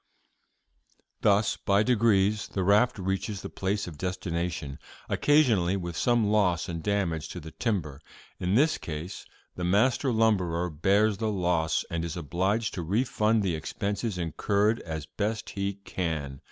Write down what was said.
"'Thus by degrees the raft reaches the place of destination, occasionally with some loss and damage to the timber. In this case the master lumberer bears the loss, and is obliged to refund the expenses incurred as best he can.